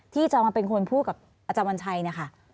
ที่จะมาเป็นคนพูดกับอาจารย์วันชัยเนี่ยค่ะ